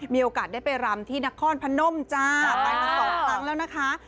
มีโอกาสได้ไปรำที่นครพนมจ้าไปมาสองครั้งแล้วนะคะ